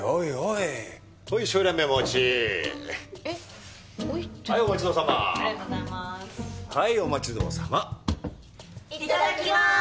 いただきまーす！